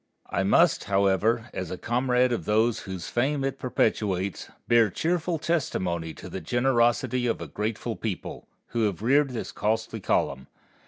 I must, however, as a comrade of those whose fame it perpetuates, bear cheerful testimony to the generosity of a grateful people, who have reared this costly column.